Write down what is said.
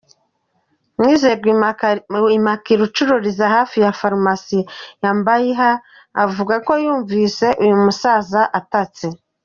Mwizerwa Immaculée, ucururiza hafi ya farumasi ya Mbayiha, avuga ko yumvise uyu musaza atatse.